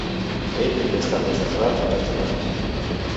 Ell havia estat deshonrat uns anys abans.